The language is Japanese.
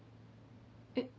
えっ。